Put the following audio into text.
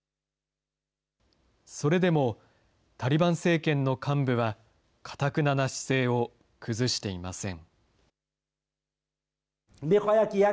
それでもタリバン政権の幹部は、かたくなな姿勢を崩していません。